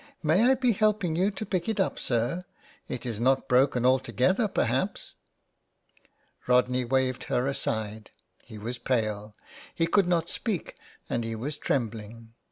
May I be helping you to pick it up, sir? It is not broken altogether, perhaps." Rodney waved her aside. He was pale ; he could not speak, and he was trembling.